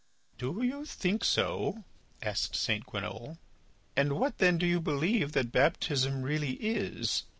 "Do you think so?" asked St. Guénolé. "And what then do you believe that baptism really is?